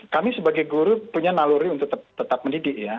kami sebagai guru punya naluri untuk tetap mendidik ya